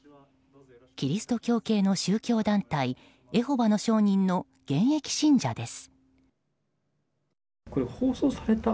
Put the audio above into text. キリスト教系の宗教団体エホバの証人の現役信者です。